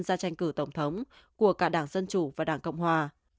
ra tranh cử tổng thống của cả đảng dân chủ và đảng cộng hòa